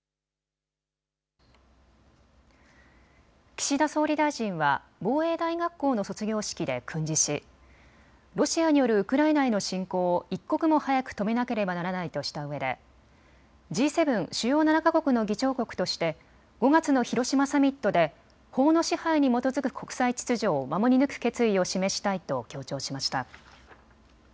岸田総理大臣は防衛大学校の卒業式で訓示し、ロシアによるウクライナへの侵攻を一刻も早く止めなければならないとしたうえでＧ７・主要７か国の議長国として５月の広島サミットで法の支配に基づく国際秩序を守り抜く決意を示したいと強調しました。